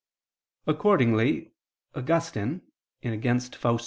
Accordingly Augustine (Contra Faust.